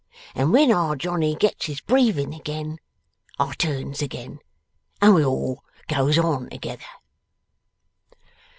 And when Our Johnny gets his breathing again, I turns again, and we all goes on together.